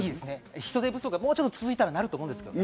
人手不足がもうちょっと続いたらそうなると思いますけどね。